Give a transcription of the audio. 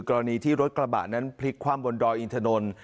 กรณีที่รถกระบะนั้นพลิกคว่ำบนดอยอินทนนท์